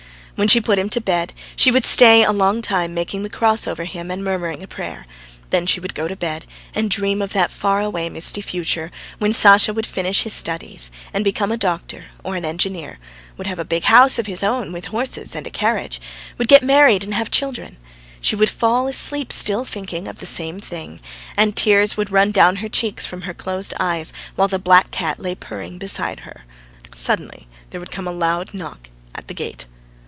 When she put him to bed, she would stay a long time making the Cross over him and murmuring a prayer; then she would go to bed and dream of that far away misty future when Sasha would finish his studies and become a doctor or an engineer, would have a big house of his own with horses and a carriage, would get married and have children. ... She would fall asleep still thinking of the same thing, and tears would run down her cheeks from her closed eyes, while the black cat lay purring beside her: "Mrr, mrr, mrr." Suddenly there would come a loud knock at the gate.